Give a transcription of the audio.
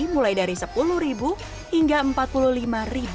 mulai dari rp sepuluh hingga rp empat